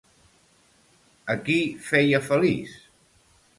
A qui feia feliç?